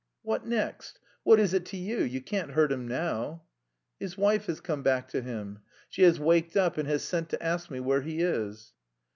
"What next! What is it to you? You can't hurt him now." "His wife has come back to him. She has waked up and has sent to ask me where he is."